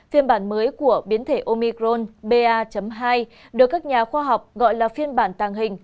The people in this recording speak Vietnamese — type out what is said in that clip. phiên bản mới của biến thể omicron ba hai được các nhà khoa học gọi là phiên bản tàng hình